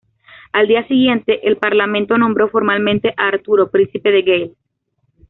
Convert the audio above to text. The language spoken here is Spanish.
Al día siguiente el Parlamento nombró formalmente a Arturo príncipe de Gales.